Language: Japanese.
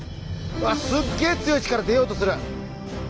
すっげえ強い力で出ようとする。